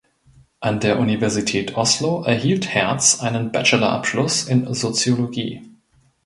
An der Universität Oslo erhielt Herz einen Bachelorabschluss in Soziologie.